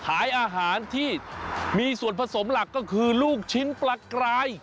ขายอาหารที่มีส่วนผสมหลักก็คือลูกชิ้นปลากราย